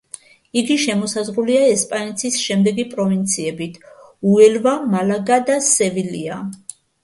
იგი შემოსაზღვრულია ესპანეთის შემდეგი პროვინციებით: უელვა, მალაგა და სევილია.